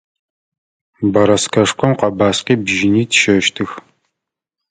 Бэрэскэшхом къэбаскъи бжьыни тщэщтых.